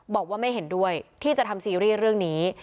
บอกว่าไม่เห็นด้วยที่จะทำซีรีส์เรื่องนี้